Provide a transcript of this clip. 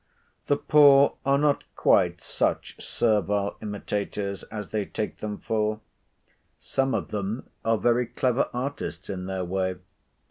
The poor are not quite such servile imitators as they take them for. Some of them are very clever artists in their way.